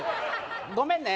ごめんね